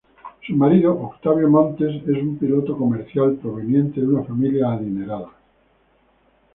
Su marido, Octavio Montes, es un piloto comercial proveniente de una familia adinerada.